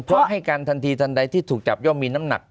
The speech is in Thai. เพราะให้การทันทีทันใดที่ถูกจับย่อมมีน้ำหนัก